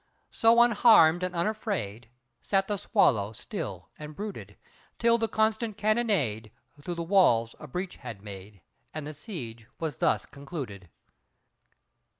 So unharmed and unafraid, Sat the swallow still and brooded, Till the constant cannonade Through the walls a breach had made And the siege was thus concluded.